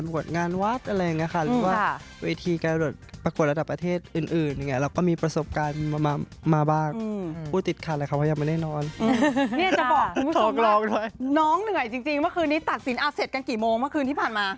น้องเหนื่อยจริงตัดสินอัพเสร็จกันกี่โมงเมื่อที่ผ่านมา